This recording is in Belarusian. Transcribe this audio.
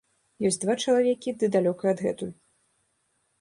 Ёсць два чалавекі, ды далёка адгэтуль.